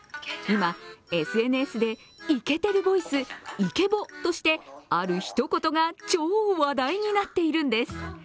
今、ＳＮＳでイケてるボイスイケボとしてある一言が超話題になっているんです。